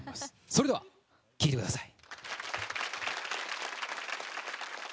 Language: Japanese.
それでは聴いてください。